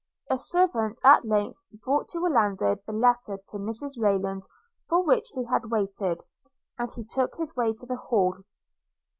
A servant at length brought to Orlando the letter to Mrs Rayland for which he had waited, and he took his way to the Hall.